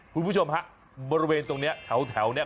คุณผู้ชมครับบริเวณตรงนี้แถวนี้